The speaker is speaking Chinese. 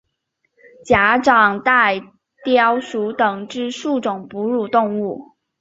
假掌袋貂属等之数种哺乳动物。